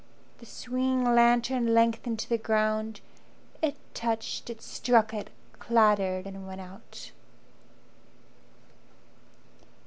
The swinging lantern lengthened to the ground, It touched, it struck it, clattered and went out.